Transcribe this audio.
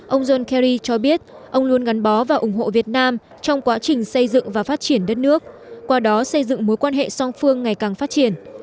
ông john kerry cho biết ông luôn gắn bó và ủng hộ việt nam trong quá trình xây dựng và phát triển đất nước qua đó xây dựng mối quan hệ song phương ngày càng phát triển